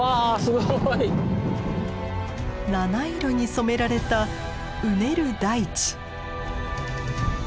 七色に染められたうねる大地。